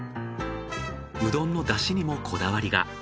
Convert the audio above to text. うどんの出汁にもこだわりが。